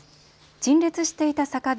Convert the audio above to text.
陳列していた酒瓶